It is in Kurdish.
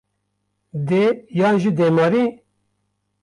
Dê yan jî dêmarî?